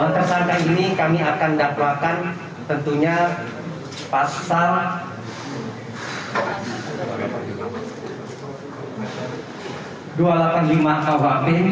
tersangka ini kami akan dakwakan tentunya pasal dua ratus delapan puluh lima kuhp